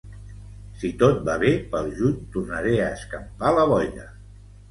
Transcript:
Si tot va bé, pel juny tornaré a escampar la boira